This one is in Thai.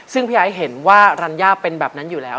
ซึ่งพี่ไอ้เห็นว่ารัญญาเป็นแบบนั้นอยู่แล้ว